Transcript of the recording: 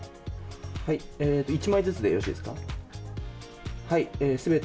１枚ずつでよろしいですか。